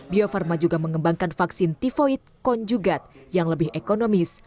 bio farma juga mengembangkan vaksin tivoid konjugat yang lebih ekonomis